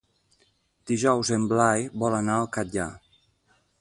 Dijous en Blai vol anar al Catllar.